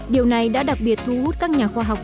điều này đã đặc biệt thu hút các nhà khoa học